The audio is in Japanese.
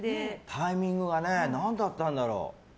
タイミングはね何だったんだろう。